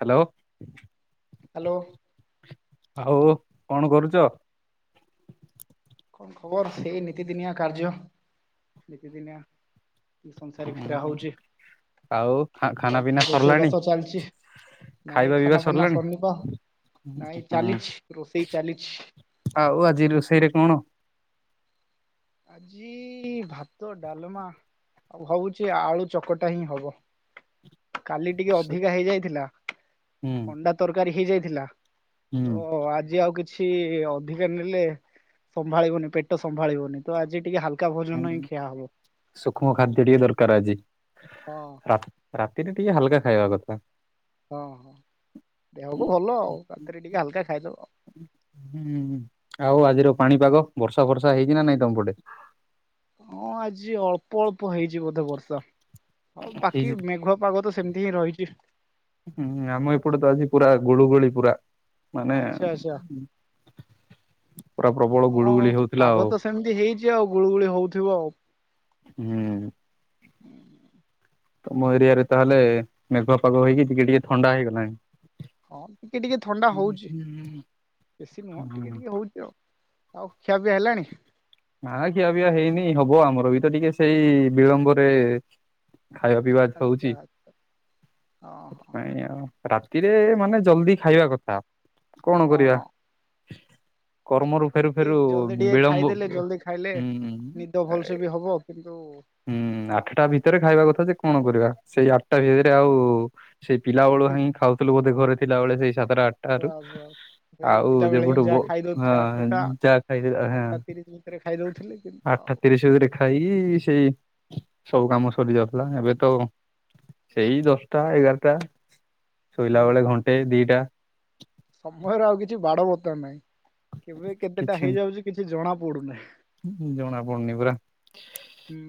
Hello hello ଆଉ କଣ କରୁଛ କଣ ଖବର ସେଇ ନିୀତିଦିନିଆ କାର୍ଯ୍ୟ ନିୀତିଦିନିଆ ସଂସାରିକ ଫଷରା ଉଁ ହଉଛି ଆଉ ଖା ଖାନା ପିନା ରୋଷେଇ ସରିଲାଣି ବାସ ଚାଲିଛି ନାଇଁ ଖାଇବା ପିଇବା ଖାନା ପନା ସରିଲାଣି? ସନିବ ନାଇଁ ହୁଁ ଚାଲିଛି ରୋଷେଇ ଚାଲିଛି ଆଉ ଆଜି ରୋଷେଇରେ କଣ ଆଜି ଭାତ ଡାଲମା ଆଉ ହଉଛି ଆଳୁ ଚକଟା ହିଁ ହବ କାଲି ଟିକେ ଅଧିକା ହେଇଯାଇଥିଲା ହୁଁ ଅଣ୍ଡା ତରକାରୀ ହେଇଯାଇଥିଲା ହୁଁ ତ ଆଜି ଆଉ କିଛି ଅଧିକା ନେଲେ ସମ୍ଭାଳିବନି ପେଟ ସମ୍ଭାଳିବନି ତ ଆଜି ଟିକେ ହାଲକା ଭୋନ ହିଁ ଖିଆ ହବ ସୂକ୍ଷ୍ମ ଖାଦ୍ୟ ଟିକେ ଦରକାର ଆଜି ହଁ ରାତିରେ ଟିକେ ହାଲକା ଖାଇବା କଥା ହଁ ହଁ ଦେହକୁ ଭଲ ଆଉ କକରେ ଟିକେ ହାଲକା ଖାଇଦବ ଆଉ ହୁଁ ଆଉ ଆଜିର ପାଣିପାଗ ବର୍ଷା ଫର୍ଷା ହେଇଛି ନା ନାଇଁ ତମ ପଟେ? ହଁ ଆଜି ଅଳ୍ ଅଳ୍ପ ହେଇଛି ବୋଧେ ବର୍ଷା ଆଉ ବାକି ହେଇଛି ମେଘୁଆ ପାଗ ତ ସେମିତି ହିଁ ରହିଛି। ହୁଁ ଆମ ଏପଟେ ତ ଆଜି ପୁରା ଗୁଳୁଗୁଳି ପୁରା। ମାନେ ଆଚ୍ଛା ଆଚ୍ଛା। ପୁରା ପ୍ରବଳ ହଁ ଗୁଳୁଗୁଳି ହଉଥିଲା ପାଗ ଆଉ। ତ ସେମିତି ହେଇଛି, ଆଉ ଗୁଳୁଗୁଳି ହଉଥିବ ଆଉ ହୁଁ। ହୁଁ। ତମ ଏରିଆରେ ତାହେଲେ ମେଘ ପାଗ ହେଇକି, ଟିକେ ଟିକେ ଥଣ୍ଡା ହେଇଗଲାଣି। ହଁ ଟିକେ ଟିକେ ଥଣ୍ଡା ହଉଛି ବେଶୀ ନୁହଁ ହୁଁ ଟିକେ ଟିକେ ହଉଛି ଆଉ। ଆଉ ଖିଆପିଆ ହେଲାଣି। ନା ଖିଆ ପିଆ ହେଇନି ହବ ଆମର ବି ତ ଟିକେ ସେଇ ବିଳମ୍ବରେ ଖାଇବା ପିଇବା ଆଚ୍ଛା ହଉଚି ଆଚ୍ଛା ହଁ ସେଥିପାଇଁ ଆଉ ରାତିରେ ମାନେ ଜଲଦି ଖାଇବା କଥା, କଣ ହଁ କରିବା? ହଁ କର୍ମରୁ ଫେରୁ ଫେରୁ ଠିକ ଜଲଦି ଟିକେ ବିଳମ୍ବ ଖାଇଦେଲେ, ହୁଁ। ଜଲଦି ଖାଇଲେ ନିଦ ଭଲସେ ବି ହବ, କିନ୍ତୁ ହୁଁ ଆଠଟା ଭିତରେ ଖାଇବା କଥା ଯେ କଣ କରିବା ସେଇ ଆଠଟା ଭିତରେ ଆଉ ସେଇ ପିଲାବେଳୁ ହାଇଁ ଖାଉଥିଲ ବୋଧେ ଘରେ ଥିଲାବେଳେ ସେଇ ସାତଟା ଆଠ ଠାରୁ ଏଇ ଆଉ ପିଲା ବେଳେ ହିଁ ଯେବେଠୁ ଯାହା ଖାଇ ଯାହା ଖାଇଲେ। ରି ଭିତରେ ଖାଇ ଦଉଥିଲେ କିନ୍ତୁ ଆଉ ଖାଇ ସେଇ ସବୁ କାମ ସରି ଯାଉଥିଲା ଏବେ ତ ସେଇ ଦଶଟା ଏଗାରଟା ଶୋଇଲା ବେଳେ ଘଣ୍ଟେ ଦିଟା ସମୟରେ ଆଉ କିଛି ବାଡ ବତ୍ତା ନାହିଁ, କେବେ କେତେଟା ହେଇଯାଉଛି କିଛି ଜଣା ପଡୁନାହିଁ। ହଁ ଜଣା ପଡୁନି ପରା। ହୁଁ।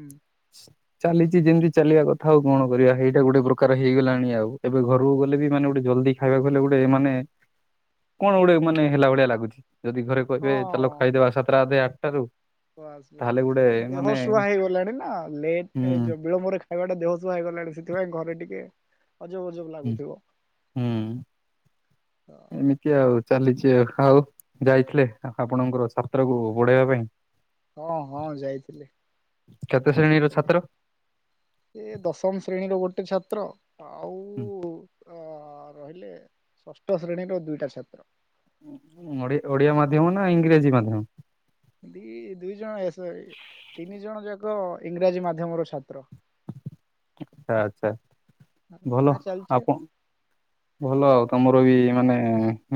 [inaudible] ଚାଲିଛି ଯେମିତି ଚାଲିବା କଥା ଆଉ କଣ କରିବା ଏଇଟା ଗୋଟେ ପ୍ରକାର ହେଇଗଲାଣି ଆଉ ଏବେ ଘରକୁ ଗଲେ ବି ମାନେ ଗୋଟେ ଜଲ୍ଦି ଖାଇବାକୁ ହେଲେ ଗୋଟେ ମାନେ କଣ ଗୋଟେ ମାନେ ହେଲା ଭଳିଆ ଲାଗୁଛି ଯଦି ଘରେ କହିବେ ଚାଲ ହଁ ଖାଇଦବା ସାତଟା ଅଧେ ଆଠଟାରୁ। ବାସ୍ ବାସ୍ ଦେହ ସୁହା ହେଇଗଲାଣି। ନା ଲେଟ୍ ହୁଁ ବିଳମ୍ବରେ ଖାଇବାଟା ଦେହସୁହା ହେଇଗଲାଣି ସେଥିପାଇଁ ଘରେ ଟିକେ ଅଜବ ଅଜବ ହୁଁ ଲାଗୁଥିବ। ହୁଁ ଏମିତି ଆଉ ଚାଲିଛି ଆଉ ଯାଇଥିଲେ ଆପଣଙ୍କର ଛାତ୍ରକୁ ପଢେଇବା ପାଇଁ। ହଁ ହଁ ଯାଇଥିଲି। କେତେ ଶ୍ରେଣୀର ଛାତ୍ର? ସେ ଦଶମ ଶ୍ରେଣୀର ଗୋଟେ ଛାତ୍ର ଆଉ ଅ ରହିଲେ। ଷଷ୍ଠ ଶ୍ରେଣୀର ଦୁଇଟା ଛାତ୍ର। ଓଡିଆ ମାଧ୍ୟମ ନା ଇଂରାଜୀ ମାଧ୍ୟମ। ଦି ଦୁଇ ଜଣ ତିନି ଜଣ ଯାକ ଇଂରାଜୀ ମାଧ୍ୟମର ଛାତ୍ର। ଆଚ୍ଛା ଆଚ୍ଛା। ଭଲ ପଢା ଚାଲଛି। ଆପଣ ଭଲ ଆଉ ତମର ବି ମାନେ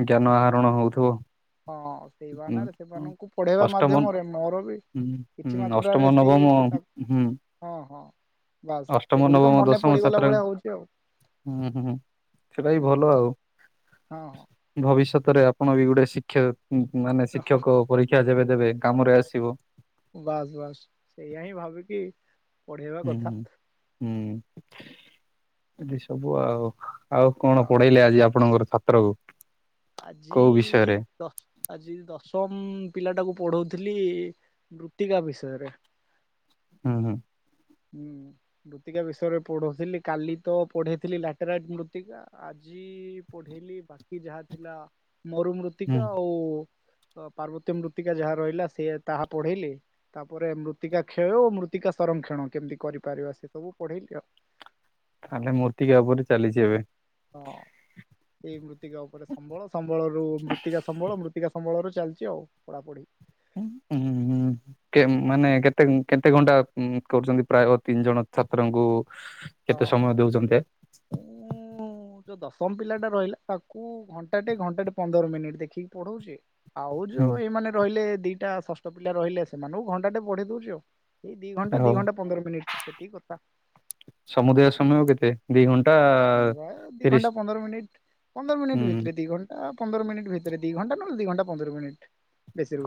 ଜ୍ଞାନ ଆହରଣ ହଉଥିବ। ହଁ ସେଇ ବାହାନାରେ ଉଁ ସେମାନଙ୍କୁ ପଢ଼େଇବା ମାଧ୍ୟମରେ ମୋର ବି ହୁଁ କିଛି ହୁଁ ମାତ୍ରାରେ ଅଷ୍ଟମ ସେଇ ନବମ ତା ହୁଁ। ହଁ ହଁ ବାସ୍ ଅଷ୍ଟମ ସେଗୁଡିକ ନବମ ମନେ ଦଶମ ପଡିଗଲା ଛାତ୍ର ଭଳିଆ ହଉଛି ଆଉ ହୁଁ ହୁଁ ସେଟା ବି ହୁଁ ଭଲ ଆଉ ହଁ। ଭବିଷ୍ୟତରେ ଆପଣ ବି ଗୋଟେ ଶିକ୍ଷ ମାନେ ଶିକ୍ଷକ। ପରୀକ୍ଷା ଯେବେ ଦେବେ କାମରେ ଆସିବ। ବାସ ବାସ୍ ସେଇୟା ହିଁ ଭାବିକି। ପଢେଇବା ହୁଁ କଥା ହୁଁ ଏଠି ସବୁ ଆଉ ଆଉ କଣ ହଁ ପଢେଇଲେ ଆଜି ଆପଣଙ୍କର ଛାତ୍ରକୁ। ଆଜି କୋଉ ବିଷୟରେ ଦଶ ଆଜି ଦଶମ ପିଲା ଟାକୁ ପଢଉଥିଲି ମୃତ୍ତିକା ବିଷୟରେ। ହୁଁ ହୁଁ। ହୁଁ ମୃତିକା ବିଷୟରେ ପଢୁଥିଲି କାଲି ତ ପଢେଇଥିଲି ଲାଟୋଇଟ ମୃତ୍ତିକା ଆଜି ପଢେଇଲିି ବାକି ଯାହା ଥିଲା ହୁଁ ମରୁମୃତ୍ତିକା ଆଉ ତ ପାର୍ବତୀ ମୃତ୍ତିକା ଯାହା ରହିଲା ସିଏ ତାହା ପଢେଇଲି। ତାପରେ ମୃତ୍ତିକା ଖେଳ ମୃତ୍ତିକା ସଂରମକ୍ଷଣ କେମିତି କରିପାରିବା ସେ ସବୁ ପଢେଇଲି ଆଉ। ତାହେଲେ ମୋର୍ତିକା ଉପରେ ଚାଲିଛି ଏବେ। ହଁ ଏଇ ମୃତ୍ୟୁ ମୃତ୍ତିକା ଉପରେ ସମ୍ବଳ ସମ୍ବଳ ରରୁ ମୃତିକା ସମ୍ବଳ ମୃତ୍ତିକା ସମ୍ବଳ ର ଚାଲିଛି ଆଉ ପଢାପଢି। ହୁଁ ହୁଁ କେ ମାନେ କେତେ? କେତେ କେତେ ଘଣ୍ଟା କରୁଛନ୍ତି ପ୍ରାୟ ତିନି ଜଣ ଛାତ୍ରଙ୍କୁ ହଁ। କେତେ ସମୟ ଦଉଛନ୍ତି? ମୁଁ ଯୋଉ ଦଶମ ପିଲା ଟା ରହିଲା ତାକୁ ଘଣ୍ଟାଟେ ଘଣ୍ଟାଟେ ପନ୍ଦର ମିନିଟ ଦେଖିକି ପଢଉଛି। ଆଉ ହୁଁ ଯୋଉ ଏଇମାନେ ରହିଲେ ଦିଇଟା ଷଷ୍ଠ ପିଲା ରହିଲେ ସେମାନଙ୍କୁ ଘଣ୍ଟାଟେ ବଢେଇ ଦଉଛି ଆଉ। ଏଇ ଦି ଘଣ୍ଟା ଦି ହଉ ଘଣ୍ଟ ପନ୍ଦର ମିନିଟ ସେତିକି କଥା। ସମୁଦାୟ ସମୟ କେତେ? ଦି ଘଣ୍ଟା ହଁ ପା ଦିଇ ତିରିଶ ଘଣ୍ଟା ପନ୍ଦର ମିନି୍ଟ ପନ୍ଦର ମିନିଟ୍ ହୁଁ ଭିତରେ ଦିଇ ଘଣ୍ଟା ଆ ପନ୍ଦର ମିନିଟ ଭିତରେ ଦି ଘଣ୍ଟା ନହଲେ ଦି ଘଣ୍ଟା ପନ୍ଦର ମିନିଟ।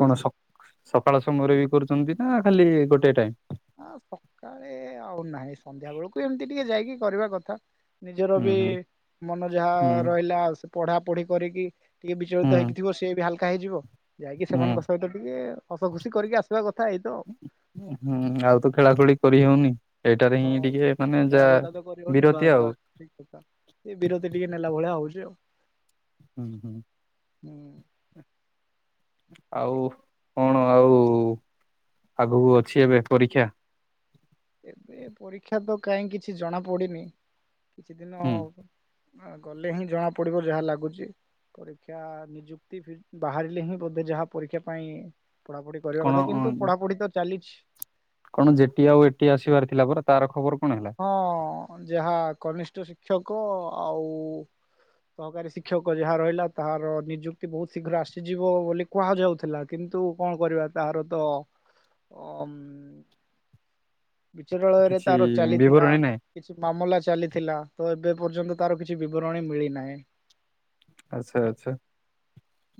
କଣ ସକ୍ ସକାଳ ସମୟରେ ବି କରୁଛନ୍ତି ନା ଖାଲି ଗୋଟାଏ ଟାଇମ। ଅ ସକାଳେ ଆଉ ନାହିଁ ସନ୍ଧ୍ୟା ବେଳକୁ ଏମତି ଟିକେ ଯାଇକି କରିବା କଥା। ନିଜର ବି ହୁଁ ମନ ଯାହା ହୁଁ ରହିଲା ସେ ପଢା ପଢି କରିକି ଟିକେ ହୁଁ ବିଚଳିତ ହେଇକି ଥିବ ସିଏ ବି ହାଲକା ହେଇଯିବ ଯାଇକି ହୁଁ ସେମାନଙ୍କ ସହିତ ଟିକେ ହସ ଖୁସି କରିକି ଆସିବା କଥା ଏଇ ତ। ହୁଁ ଆଉ ତ ଖେଳା ଖେଳି କରିହଉନି। ଏଇଟାରେ ହଁ ହିଁ ଟିକେ ମାନେ ଯାହା ଖେଳାବୁଲା ତ କରିହଉନି ବିରତି ବାସ୍ ଆଉ। ବାସ୍ ଏ ବିରତି ଟିକେ ନେଲା ଭଳିଆ ହଉଛି ଆଉ। ହୁଁ ହୁଁ। ଉଁ ଆଉ କଣ ଆଉ ଆଗକୁ ଅଛି ଏବେ ପରୀକ୍ଷା? ଏବେ ପରୀକ୍ଷା ତ କାହିଁ କିଛି ଜଣାପଡ଼ିନି କିଛି ଦିନ ହୁଁ ଗଲେ ହିଁ ଜଣା ପଡିବ ଯାହା ଲାଗୁଛି। ପରୀକ୍ଷା ନିଯୁକ୍ତି ବାହାରିଲେ ହିଁ ବୋଧେ ଯାହା ପରୀକ୍ଷା ପାଇଁ ପଢ଼ାପଢି କରିବା କଣ କଥା କିନ୍ତୁ ପଢାପଢି ତ ଚାଲିଛି। କଣ ଯେଟି ଆଉ ଏଟି ଆସିବାର ଥିଲା ପରା ତାର ଖବର କଣ ହେଲା? ହଁ ଯାହା କନିଷ୍ଠ ଶିକ୍ଷକ ଆଉ ସହକାରୀ ଶିକ୍ଷକ ଯାହା ରହିଲା ତାହାର ନିଯୁକ୍ତି ବହୁତ ଶୀଘ୍ର ଆସିଯିବ ବୋଲି କୁହାଯାଉଥିଲା କିନ୍ତୁ କଣ କରିବା ତାହାର ତ ବିଚରାଳୟରେ କିଛି ତାର ଚାଲିଥିଲା ବିବରଣୀ ନାହିଁ କିଛି ମାମଲା ଚାଲିଥିଲା ତ ଏବେ ପର୍ଯ୍ୟନ୍ତ ତାର କିଛି ବିବରଣୀ ମିଳିନାହିଁ। ଆଚ୍ଛା ଆଚ୍ଛା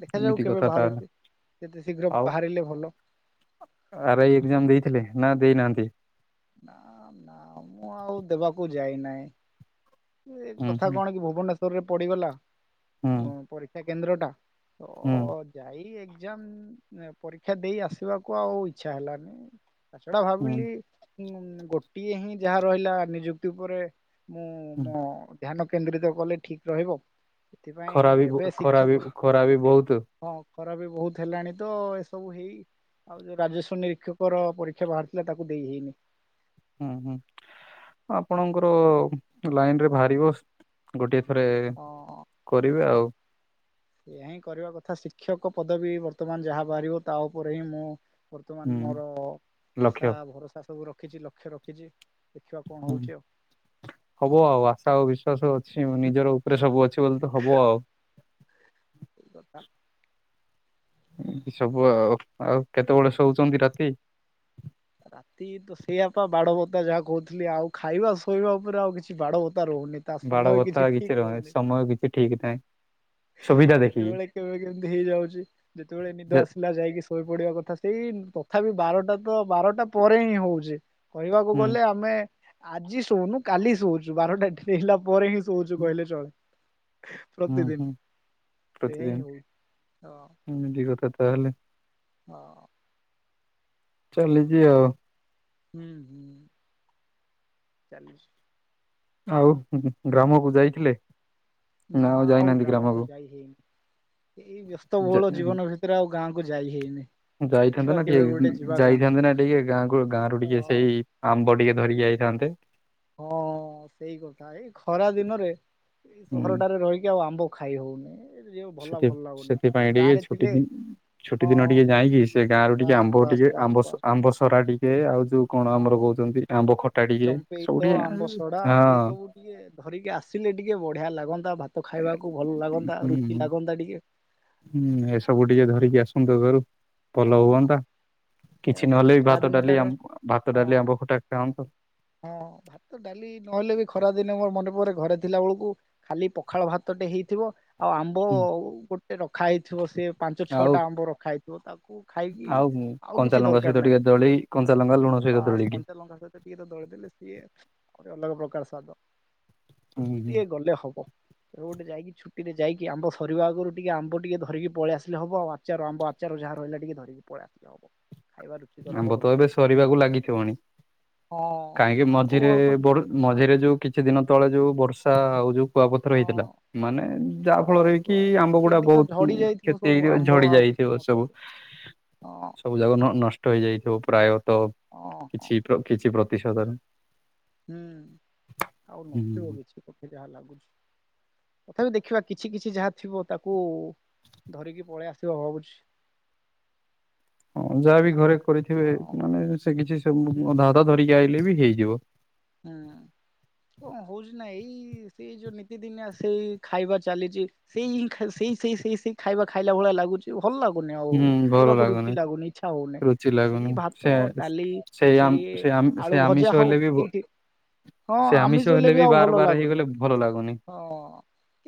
ଦେଖାଯାଉ ଏମିତି କେବେ କଥା ତାହେଲେ ବାହାରୁଛି ଯେତେ ଶୀଘ୍ର ଆଉ ବାହାରିଲେ ଭଲ। ଆର ଆଇ ଏଜ୍ଜାମ ଦେଇଥିଲେ ନା ଦେଇନାହାନ୍ତି? ନା ନା ମୁଁ ଆଉ ଦେବାକୁ ଯାଇନାହିଁ। ସେ ହୁଁ କଥା ହୁଁ କଣ କି ଭୁବନେଶ୍ୱର ରେ ପଡ଼ିଗଲା ହୁଁ ପରୀକ୍ଷା କେନ୍ଦ୍ରଟା ହୁଁ ତ ଯାଇ ଏ ଏଜାମ ପରୀକ୍ଷା ଦେଇ ଆସିବାକୁ ଆଉ ଇଚ୍ଛା ହେଲାନି ତାଛଡା ହୁଁ ଭାବିଲି ଗୋଟିଏ ହିଁ ଯାହା ରହିଲା ନିଯୁକ୍ତି ଉପରେ ମୁଁ ହୁଁ ମୋ ଧ୍ୟାନ କେନ୍ଦ୍ରିତ କଲେ ଠିକ ରହିବ। ସେଥିପାଇଁ ଖରା ବି ଏବେ ଖରା ଶିକ୍ଷକ ବି ଖରା ବି ବହୁତ। ହଁ ଖରା ବି ବହୁତ ହେଲାଣି ତ ଏସବୁ ହେଇ ଆଉ ଯୋଉ ରାଜସ୍ୱ ନିରୀକ୍ଷକର ପରୀକ୍ଷା ବାହାରିଥିଲା ତାକୁ ଦେଇ ହେଇନି। ହୁଁ ହୁଁ ଆପଣଙ୍କର ଲାଇନ ରେ ବାହାରିବ। ଗୋଟିଏ ଥରେ ହଁ କରିବେ ଦେଖିବା ଆଉ। ଏହା ହିଁ କରିବା କଥା ଶିକ୍ଷକ ପଦବୀ ବର୍ତ୍ତମାନ ଯାହା ବାହାରିବ ତା ଉପରେ ହିଁ ମୁଁ ବର୍ତ୍ତମାନ ହୁଁ ମୋର ଆଶା ଲକ୍ଷ୍ୟ ଭରସା ସବୁ ରଖିଛି ଲକ୍ଷ୍ୟ ରଖିଛି। ଦେଖିବା କଣ ହୁଁ। ହଉଛି ଆଉ। ହବ ଆଉ ଆଶା ଆଉ ବିଶ୍ୱାସ ଅଛି ନିଜର ଉପରେ ସବୁ ଅଛି ବୋଲି ତ ହବ ଆଉ। କି କଥା। ଏମତି ସବୁ ଆଉ ଆଉ କେତେବେଳେ ଶୋଉଛନ୍ତି ରାତି? ରାତି ତ ସେଇଆପା ବାଡବତା ଯାହା କହୁଥିଲି ଆଉ ଖାଇବା ଶୋଇବା ଉପରେ ଆଉ କିଛି ବାଡ ବତା ରହୁନି। ତା ବାଡ ସମୟ ବତା ଠିକ କିଛି ରହୁନି ସମୟ କିଛି ଠିକ ନାହିଁ। ସୁବିଧା ଦେଖିକି କେତେବେଳେ କେବେ କେମିତି ହେଇଯାଉଛି ଯେତେବେଳେ ନିଦ ଯେ ଆସିଲା ଯାଇକି ଶୋଇପଡିବା କଥା ସେଇ ତଥାପି ବାରଟା ତ ବାରଟା ପରେ ହିଁ ହଉଛି। କହିବାକୁ ହୁଁ ଗଲେ ଆମେ ଆଜି ଶୋଉନୁ କାଲି ଶୋଉଛୁ ବାରଟା ହେଲା ପରେ ହିଁ ତୁଯୁ କହିଲେ ଚଳେ ହୁଁ ପ୍ରତିଦିନ। ହୁଁ ସେଇଆ ହିଁ ହୁଏ ତ ଏମିଦି କଥା ତାହେଲେ। ହଁ। ଚାଲିଚି ଆଉ। ହୁଁ ହୁଁ। ଚାଲୁ ଆଉ ଗ୍ରାମକୁ ଯାଇଥିଲେ? ନା ଆଉ ଗ୍ରାମକୁ ଯାଇ ହେଇନି ଏଇ ଯା ବ୍ୟସ୍ତବହୁଳ ଜୀବନ ଭିତ ଗାଁକୁ ଯାଇ ହେଇନି। ଯାଇଥାନ୍ତେ ଦେଖିବା ନା କେବେ ଟିକେ ଗୋଟେ ଯିବା ଗାଁକୁ ଯାଇଥାନ୍ତେ ନା ଟିକେ ଗାଁକୁ ଗାଁ ର ହ ଟିକେ ସେଇ ଆମ୍ବ ଟିକେ ଧରିକି ଆଇଥାନ୍ତେ। ହଁ ସେଇ କଥା ଏଇ ଖରା ଦିନରେ ଏଇ ହୁଁ ସହରଟାରେ ରହିକି ଆଉ ଆମ୍ବ ଖାଇ ହଉନି। ଏ ଯୋଉ ଭଲ ସେଥିଏ ଭଲ ଲାଗୁନି। ସେଥିପାଇଁ ବି ଏ ଗାଁରେ ଥିଲେ ଛୁଟି ଦିନ ଛୁଟି ହଁ ଦିନରେ ଟିକେ ଯାଇଁକି ସେ ଗାଁ ରୁ ଟିକେ ବାସ୍ ଆମ୍ବ ବାସ୍ ଟିକେ ବାସ୍ ଆମ୍ବ ସ ବାସ୍ ଆମ୍ବ ସରାଡି କେ ଆଉ ଯୋଉ କଣ ଆମର ହଁ। କହୁଛନ୍ତି ଆମ୍ବ ଖଟା ଟିକେ ଚମ୍ପେଇ ସବୁ ତ ଟିକେ ଆମ୍ବ ସଡା ହଁ। ଏଇ ସବୁ ଟିକେ ଧରିକି ଆସିଲେ ଟିକେ ବଢିଆ ଲାଗନ୍ତା ଭାତ ଖାଇବାକୁ ଭଲ ଲାଗନ୍ତା ରୁଚି ହୁଁ ଲାଗନ୍ତା ଟିକେ। ହୁଁ ହେସବୁ ଟିକେ ଧରିକି ଆସନ୍ତୁ ଘରୁ ଭଲ ହଁ ହୁଅନ୍ତା। ସେଇଆ କିଛି ପା ନହେଲେ ବି ଖରା ଭାତ ଡାଲି ଦିନଟାରେ ଆମ ଭାତ ହଁ ଡାଲି ଆମ୍ବ ଖଟା ଖାଅନ୍ତୁ ହଁ ଭା ତ ଡାଲି ନହେଲେ ବି ଖରା ଦିନ ମୋର ମନେପଡେ ଘରେ ଥିଲା ବେଳକୁ ଖାଲି ପଖାଳ ଭାତଟେ ହେଇଥିବ ଆଉ ଆମ୍ବ ହୁଁ। ଗୋଟେ ରଖା ହେଇଥିବ ସେ ପାଞ୍ଚ ଆଉ ଛଅଟା ଆମ୍ବ ରଖା ହେଇଥିବ ତାକୁ ଖାଇକି ଆଉ କିଛି କଞ୍ଚାଲଙ୍କା ଦରକାର ସହିତ ନାହିଁ ଟିକେ ଦଳି କଞ୍ଚାଲଙ୍ଗା ଲୁଣ ସହିତ ବାସ୍ ଦଳିକି କଞ୍ଚା ଲଙ୍କା ସହିତ ଟିକିଏ ତ ଦଳିଦେଲେ ସିଏ ଗୋଟେ ଅଲଗା ପ୍ରକାର ସ୍ଵାଦ। ହୁଁ ସେଇ ହୁଁ। ଟିକେ ଗଲେ ହବ କେବେ ଗୋଟେ ଯାଇକି ଛୁଟିରେ ଯାଇକି ଆମ୍ବ ସରିବା ଆଗରୁ ଟିକେ ଆମ୍ବ ଟିକେ ଧରିକି ପଳେଇ ଆସିଲେ ହବ ଆଚାର ଆମ୍ବ ଆଚାର ଯାହା ରହିଲା ଟିକେ ଧରିକି ପଳେଇ ଆସିଲେ ହବ। ଖାଇବା ରୁଚିକର ଆମ୍ବ ହବ ତ ଟିକେ ଏବେ ସରିବାକୁ ଲାଗିଥିବଣି ହଁ କାହିଁକି ଆଉ ମଝିରେ ଅଳ୍ପ ବଢ ମଝିରେ ଯୋଉ କିଛି ଦିନ ତଳେ ଯୋଉ ବର୍ଷା ଆଉ ଯୋଉ କୁଆପଥର ହେଇଥିଲା ହଁ ମାନେ ଯାହା ବାସ୍ ଫଳରେ କି ବାସ୍ ଆମ୍ବ ଗୁଡା ସେଇଠି ତ ବହୁତ୍ ଝଡି କ୍ଷ- ଯାଇଥିବ କ୍ଷତି ସବୁ ହେଇଥିବ ଆମ୍ବ ଝଡି ଆଉ କିଛି ଯାଇଥିବ ସବୁ। ନଥିବ। ହଁ। [unintelligible] ନଷ୍ଟ ହେଇଯାଇଥିବ ପ୍ରାୟତଃ ହଁ ହଁ କିଛି ପ୍ର କିଛି ପ୍ରତିଶତରେ। ହୁଁ ଆଉ ହୁଁ। ନଥିବ କିିଛି ମତେ ଯାହା ଲାଗୁଛି। ତଥାପି ଦେଖିବା କିଛି କିଛି ଯାହା ଥିବ ତାକୁ ଧରିକି ପଳେଇ ଆସିବା ଭାବୁଛି। ହଁ ଯାହା ବିି ଘରେ କରିଥିବେ ଆଉ ମାନେ ସେ କିଛି ହୁଁ ସବୁ ଅଧା ହୁଁ ଅଧା ଧରିକି ଆଇଲେ ବି ହେଇଯିବ। ହୁଁ କଣ ହଉଜି ନା ଏଇ ସେଇ ଯୋଉ ନିତିଦିନିଆ ସେଇ ଖାଇବା ଚାଲିଛି ସେଇଁ ହିଁ ସେଇ ସେଇ ସେଇ ସେଇ ଖାଇବା ଖାଇଲା ଭଳିଆ ଲାଗୁଛି। ସେ ଭଲ ଲାଗୁନି ଆଉ ହୁଁ ଭଲ ଖାଇବାକୁ ରୁଚି ଲାଗୁନି ଇଚ୍ଛା ହଉନି ରୁଚି ଲାଗୁନି ସେଇ ସେ ଭାତ, ଡାଲି ସେଇ ଆମ ସେ ଆମ ଆଳୁ ଭଜା ଆମିଷ ହଉ ହେଲେ ବି ଏଇଠି ହଁ ସେ ଆମିଷ ହେଲେ ବି ଆଉ ଭଲ ବାର ବାର ଲାଗୁନି ହେଇଗଲେ ଭଲ ଲାଗୁନି। ହଁ।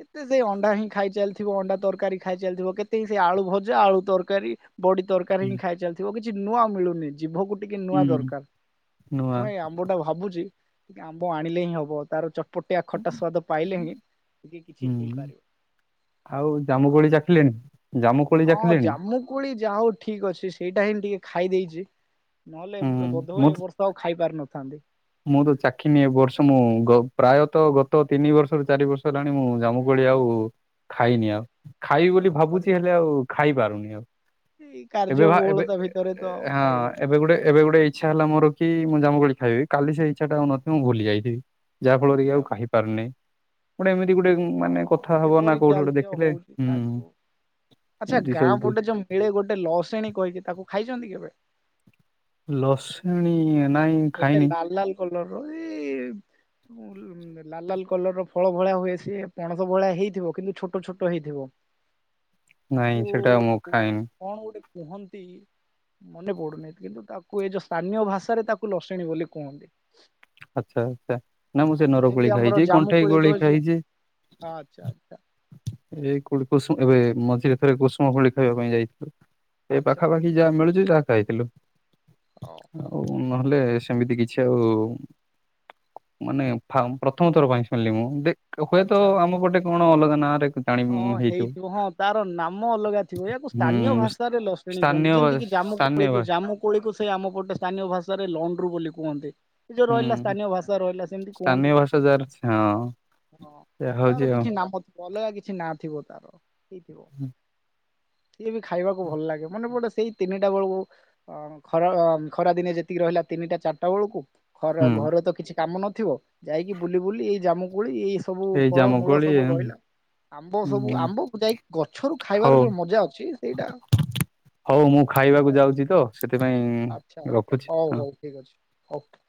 କେତେ ସେ ଅଣ୍ଡା ହିଁ ଖାଇ ଚାଲିଥିବ ଅଣ୍ଡା ତରକାରୀ ଖାଇ ଚାଲିଥିବ କେତେ ହିଁ ସେ ଆଳୁ ଭଜା ଆଳୁ ତରକାରୀ। ବଡି ତରକାରୀ ହିଁ ଖାଇ ଚାଲିଥିବ କିଛି ନୂଆ ମିଳୁନି ଜିଭକୁ ଟିକେ ନୂଆ ହୁଁ। ଦରକାର। ନୂଆ ଆମ୍ବ ଟା ଭାବୁଛି ଟିକେ ଆମ୍ବ ଆଣିଲେ ହିଁ ହବ ତାର ଚ ପଟିଆ ଖଟା ସ୍ଵାଦ ପାଇଲେ ହିଁ ଟିକେ କିଛି ହୁଁ ହେଇପାରିବ ଆଉ ଆଉ। [inaudible] ଜାମୁକୋଳି ହଁ ଚାଖିଲେଣି? ଜାମୁ କୋଳି ଯାହା ହଉ ଠିକ ଅଛି ସେଇଟା ହେଇନେ ଟିକେ ଖାଇ ଦେଇଛି। ନହେଲେ ବୋଧ ମୁଁ ହୁଏ ତ ଏ ବର୍ଷ ଆଉ ଖାଇ ପାରିନଥାନ୍ତି। ମୁଁ ତ ଚାଖିନି ବର୍ଷ ମୁଁ ପ୍ରାୟଃ ଗତ ତିନି ବର୍ଷରୁ ଚାରି ବର୍ଷ ହେଲାଣି ମୁଁ ଜାମୁ ଭଳି ଆଉ ଖାଇନି ଆଉ ଖାଇ ବୋଲି କଣ ଭାବୁଛି କରିବା ହେଲେ ଆଉ ଖାଇପାରୁନି ଆଉ। ଏଇ ଏବେ କାର୍ଯ୍ୟ ଭ ଏବେ ବହୁଳତା ଭିତରେ ତ ଆଉ ହଁ ଖାଇ ହଉନି ଏବେ ଗୋଟେ ଏବେ ଗୋଟେ ଏଇ ଇଚଛା ହେ ମୋର କି ମୁଁ ଜାମୁୋଳି ଖାଇବି କାଲି ସେ ଇଚଛାଉଥିବ ମୁଁ ଭୁଲି ଯାଇଥିବି ଯାହାଫଳରେ ସେଇଆ ଆଉ କି ଗୋଟେ ଏମିତି ଗୋଟେ ମାନେ ହଁ କଥା ହବ ନା ସେପରି କୋଉଠି ଗୋଟେ ଚାଲିଛି ଆଉ ଦେଖିଲେ ହଉଛି ହୁଁ। ଖାଇବୁ। ଆଚ୍ଛା ଏମିତି ଗାଁ ସବୁ ଯେ ପଟେ ଯୋଉ ମିଳେ ଗୋଟେ ଲସେଣୀ କହିକି ତାକୁ ଖାଇଛନ୍ତି କେବେ। ଲସ୍ [unintelligible] ଗୋଟେ ଲାଲ ଲାଲ କଲର ର ଏଇ ଲାଲ ଲାଲ କଲର ର ଫଳ ଭଳିଆ ହୁଏ ସି ପଣସ ଭଳିଆ ହେଇଥିବ କିନ୍ତୁ ଛୋଟ ଛୋଟ ହେଇଥିବ। ତାକୁ ନାଇଁ ସେଟା ମୁଁ ଖାଇନି। କଣ ଗୋଟେ କୁହନ୍ତି ମନେ ପଡୁନାହି କିନ୍ତୁ ତାକୁ ଏ ଯୋଉ ସ୍ଥାନୀୟ ଭାଷାରେ ତାକୁ ଲସଣୀ ବୋଲି କୁହନ୍ତି। ଆଚ୍ଛା ଆଚ୍ଛା ନା ମୁଁ ହଁ ସେ ନରକୋଳି ଯେମିତି ଆମର ଖାଇଛି କଣ୍ଠେଇ ଜାମୁକୋଳି କୋଳି ରୋଜ ଖାଇଛି। ଆଚ୍ଛା ଆଚ୍ଛା ଏଇ କୋ କୁସୁମ ଏବେ ମଝିରେ ଥରେ କୁସୁମ କୋଳି ଖାଇବା ପାଇଁ ଯାଇଥିଲି। ଏ ଆଚ୍ଛା ଆଚ୍ଛା ପାଖାପାଖି ଯାହା ମିଳୁଛି ଯାହା ଖାଇଥିଲୁ। ହଉ ହଉ ଆଉ ନହେଲେ ସେମିତି କିଛି ଆଉ ମାନେ ପ୍ରଥମ ଥର ପାଇଁ ଶୁଣିଲି ମୁଁ ଦେଖ ହୁଏତ ଆଚ୍ଛା ଆଚ୍ଛା। ଆମପଟେ କଣ ଅଲଗା ନାଁରେ ହଁ ହେଇଥିବ ହଁ ତାର ନାମ ଅଲଗା ଥିବ ୟାକୁ ସ୍ଥାନୀୟ ହୁଁ ଭାଷାରେ ଲସେଣି କୁହନ୍ତି ସ୍ଥାନୀୟ ଭା ଯେମିତି କିି ଜାମୁ ସ୍ଥାନୀୟ କୋଳିକୁ ଭା ଜାମୁ କୋଳିକୁ ସେ ଆମ ଗଟେ ସ୍ଥାନୀୟ ଭାଷାରେ ଲଣ୍ଡ୍ରୁ ବୋଲି କୁହନ୍ତି। ସେ ଯୋଉ ରହିଲା ହୁଁ ସ୍ଥାନୀୟ ଭାଷା ରହିଲା ସେମିତି ସ୍ଥାନୀୟ କୁହନ୍ତି। ଭାଷା ଯାର ହଁ ହଁ ସେୟା ତାର ହଉଛି ଆଉ କିଛି ନାମ ଅଲ କିଛି ନା ଥିବ ତାର ହେଇଥିବ। ସିଏ ବି ଖାଇବାକୁ ଭଲ ଲାଗେ ମାନେ ଗୋଟେ ସେଇ ତିନିଟା ବେଳକୁ ଅ ଖରା ଖରାଦିନେ ଯେତିକି ରହିଲା ତିନିଟା ଚାରିଟା ବେଳକୁ ଘର ହୁଁ ଘରେ ତ କିଛି କାମ ନଥିବ ଯାଇକି ବୁଲି ବୁଲି ଏଇ ଜାମୁକୁଳି ଏଇ ସବୁ ଏଇ ଫଳ ଜାମୁ ମୂଳ କୋଳି ସବୁ ରହିଲା। ଆମ୍ବ ସବୁ ହୁଁ ଆମ୍ବକୁ ଯାଇ ଗଛରୁ ହଉ ଖାଇବାର ଯୋଉ ମଜା ଅଛି ସେଇଟା ହଉ ମୁଁ ଖାଇବାକୁ ଓହୋ ଯାଉଛି ତ ସେଥିପାଇଁ ଆଚ୍ଛା ଆଚ୍ଛା ରଖୁଛି। ହଉ ହଁ। ହଉ ଠିକ୍ ଅଛି ଓକେ।